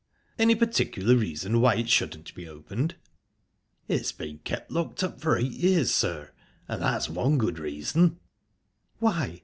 "Any particular reason why it shouldn't be opened?" "It's been kept locked up for eight years, sir, and that's one good reason." "Why?"